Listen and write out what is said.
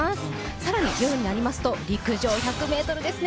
更に夜になりますと、陸上１００ｍですね。